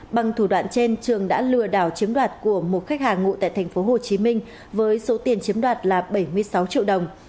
bằng thủ đoạn trên trường đã lừa đảo chiếm đoạt của một khách hàng ngụ tại tp hcm với số tiền chiếm đoạt là bảy mươi sáu triệu đồng